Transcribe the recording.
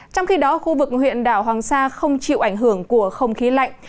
trong khi đó khu vực huyện đảo hoàng sa không chịu ảnh hưởng của không khí lạnh